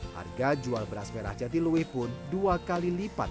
harga jual beras merah jatilui pun dua kali lipat